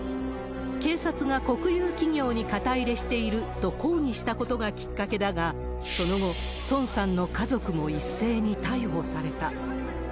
警察が国有企業に肩入れしていると抗議したことがきっかけだが、その後、孫さんの家族も一斉に逮捕された。